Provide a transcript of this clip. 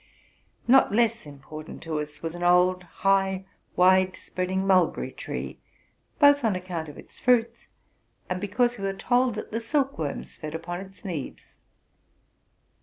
Not less important to us was an old, high, wide spreading mulberry tree, both on necount of its fruits, and because we were told that the silk worms fed upon its leaves.